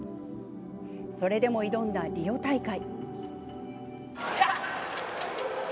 それでも挑んだリオ大会。